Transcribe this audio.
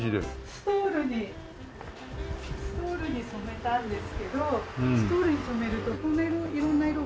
ストールにストールに染めたんですけどストールに染めるとこんな色色んな色が。